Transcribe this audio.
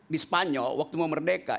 di spanyol waktu mau merdeka